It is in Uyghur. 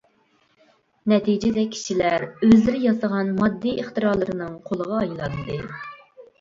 نەتىجىدە كىشىلەر ئۆزلىرى ياسىغان ماددىي ئىختىرالىرىنىڭ قۇلىغا ئايلاندى.